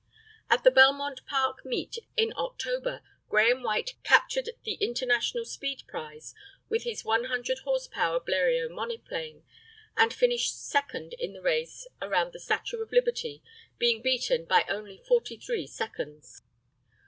At the Belmont Park meet, in October, Grahame White captured the international speed prize with his 100 horse power Bleriot monoplane, and finished second in the race around the Statue of Liberty, being beaten by only 43 seconds.